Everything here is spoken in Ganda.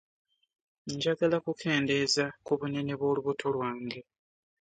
Njagala kukendeeza ku bunene bwo lubuto lwange.